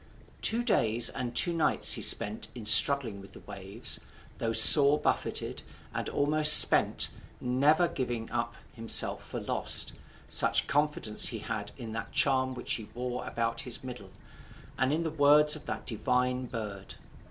Two days and two nights he spent in struggling with the waves, though sore buffeted, and almost spent, never giving up himself for lost, such confidence he had in that charm which he wore about his middle, and in the words of that divine bird.